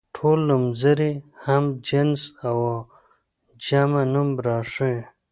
ټول نومځري هم جنس او جمع نوم راښيي.